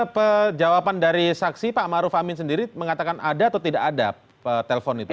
jawaban dari saksi pak maruf amin sendiri mengatakan ada atau tidak ada telpon itu